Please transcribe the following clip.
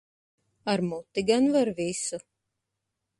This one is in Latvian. Ar muti gan var visu.